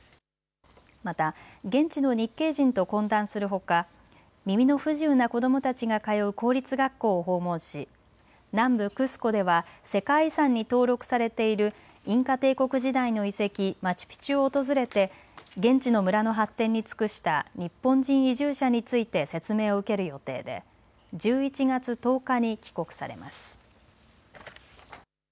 また現地の日系人と懇談するほか耳の不自由な子どもたちが通う公立学校を訪問し南部クスコでは世界遺産に登録されているインカ帝国時代の遺跡、マチュピチュ訪れて現地の村の発展に尽くした日本人移住者について説明を受ける予定で１１月１０日に帰国されます。